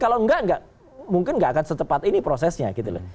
kalau enggak mungkin gak akan setepat ini prosesnya gitu loh